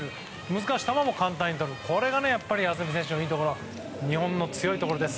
難しい球も簡単にとる渥美選手のいいところ日本の強いところです。